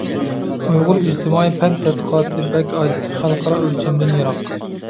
ئۇيغۇر ئىجتىمائىي پەن تەتقىقاتى بەك ئاجىز، خەلقئارا ئۆلچەمدىن يىراق.